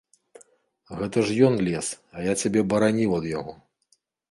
Гэта ж ён лез, а я цябе бараніў ад яго.